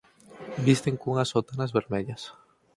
Visten cunhas sotanas vermellas.